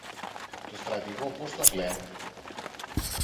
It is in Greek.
το στρατηγό πώς τον λεν;